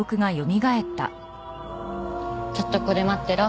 ちょっとここで待ってろ。